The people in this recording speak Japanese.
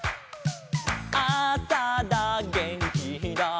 「あさだげんきだ」